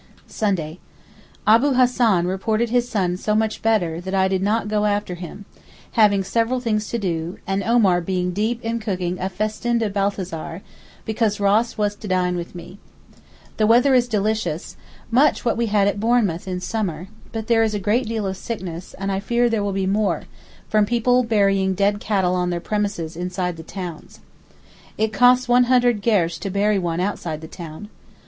Sunday.—Abu Hassan reported his son so much better that I did not go after him, having several things to do, and Omar being deep in cooking a festin de Balthazar because Ross was to dine with me. The weather is delicious—much what we had at Bournemouth in summer—but there is a great deal of sickness, and I fear there will be more, from people burying dead cattle on their premises inside the town. It costs 100 gersh to bury one outside the town.